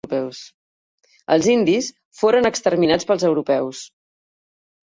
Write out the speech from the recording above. Els indis foren exterminats pels europeus.